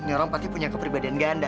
nih orang pasti punya kepribadian ganda